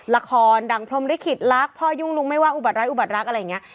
ละครดังพรมลิขิตรักพ่อยุ่งลุงไม่ว่าอุบัดไร้อุบัติรักอะไรอย่างนี้